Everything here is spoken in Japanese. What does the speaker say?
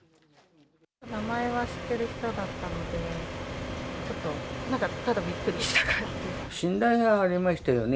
名前は知ってる人だったので、ちょっと、信頼はありましたよね。